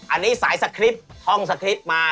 อันนี้สายสคริปต์ท่องสคริปต์มา